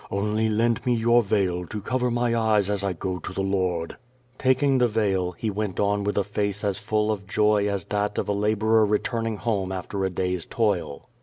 Only lend mc your veil to cover my eyes as I go to the Tjord." Taking the veil, he went on with a face as full of joy as that of a lal3orer returning home after a day's toil.